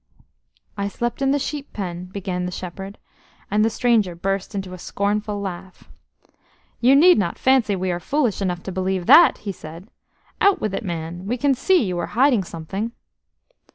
"I slept in the sheep pen," began the shepherd, and the stranger burst into a scornful laugh. "You need not fancy we are foolish enough to believe that," he said. "Out with it, man! We can see you are hiding something."